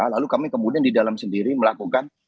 lalu kami kemudian di dalam sendiri melakukan